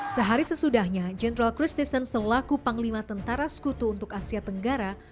sehari sesudahnya jenderal chris dixon selaku panglima tentara sekutu untuk asia tenggara